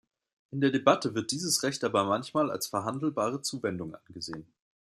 In der Debatte wird dieses Recht aber manchmal als verhandelbare Zuwendung angesehen.